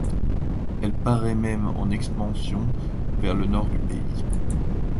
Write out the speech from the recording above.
Elle paraît même en expansion vers le nord du pays.